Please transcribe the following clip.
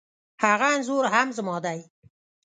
هغه انخورهم زما دی